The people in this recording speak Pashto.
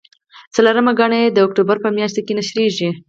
څلورمه ګڼه یې د اکتوبر په میاشت کې نشریږي.